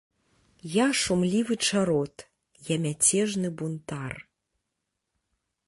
Я шумлівы чарот, я мяцежны бунтар.